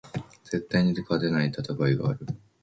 絶対に勝てない戦いがある